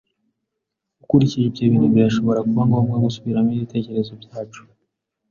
Ukurikije ibyo bintu, birashobora kuba ngombwa gusubiramo ibitekerezo byacu.